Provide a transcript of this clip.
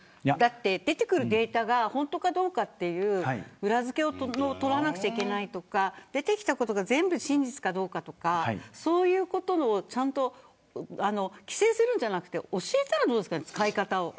出てくるデータが本当かどうかという裏付けを取らなきゃいけないとか出てきたことが全部、真実かどうかとかそういうことを規制するんじゃなくて教えたらどうですか使い方を。